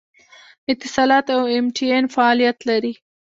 اتصالات او ایم ټي این فعالیت لري